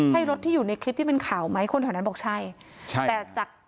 ใช่รถที่อยู่ในคลิปที่เป็นข่าวไหมคนแถวนั้นบอกใช่ใช่แต่จาก